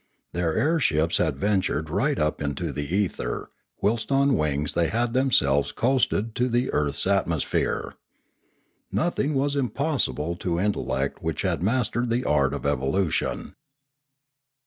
Their air ships had ventured right up into the ether, whilst on wings they had themselves coasted the earth's atmosphere. No thing was impossible to intellect which had mastered the art of evolution.